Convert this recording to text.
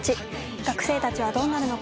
学生たちはどうなるのか？